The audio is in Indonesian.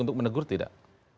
untuk menegur tidak